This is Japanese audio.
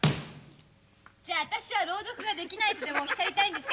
じゃあ私は朗読ができないとでもおっしゃりたいんですか？